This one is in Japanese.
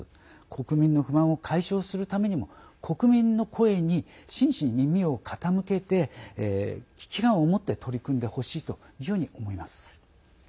国民の不満を解消するためにも国民の声に真摯に耳を傾けて危機感を持って取り組んでほしいというふうに思います。